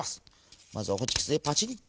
まずはホチキスでパチリ。